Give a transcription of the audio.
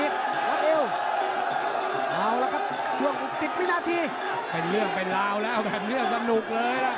ตอนนี้มันถึง๓